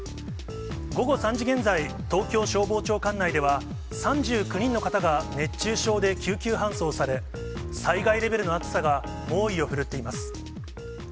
午後３時現在、東京消防庁管内では、３９人の方が熱中症で救急搬送され、災害レベルの暑さが猛威を振るっています。